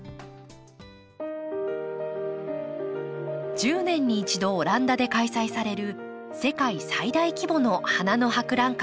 １０年に１度オランダで開催される世界最大規模の花の博覧会。